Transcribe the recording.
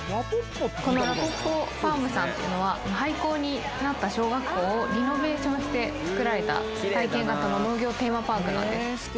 このらぽっぽファームさんっていうのは廃校になった小学校をリノベーションしてつくられた体験型の農業テーマパークなんです